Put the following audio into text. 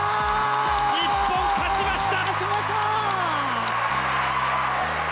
日本、勝ちました！